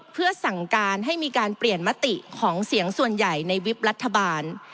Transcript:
เพื่อสั่งการให้มีการเปลี่ยนมติของเสียงส่วนใหญ่ในวิบรัฐบาล